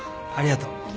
ありがとう。